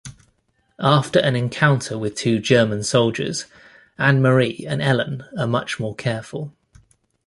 After an encounter with two German soldiers, Annemarie and Ellen are much more careful.